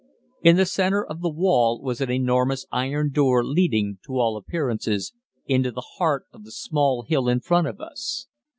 In the center of the wall was an enormous iron door leading, to all appearances, into the heart of the small hill in front of us.